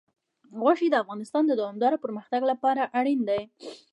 غوښې د افغانستان د دوامداره پرمختګ لپاره اړین دي.